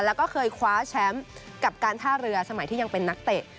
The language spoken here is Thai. แล้วก็เคยคว้าแชมป์กับการท่าเรือสมัยที่ยังเป็นนักเตะ